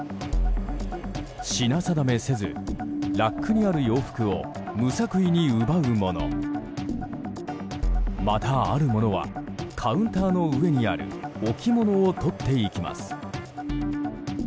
品定めせずラックにある洋服を無作為に奪う者また、ある者はカウンターの上にある置物をとっていきます。